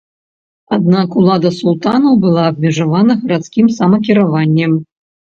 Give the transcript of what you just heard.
Аднак улада султанаў была абмежавана гарадскім самакіраваннем.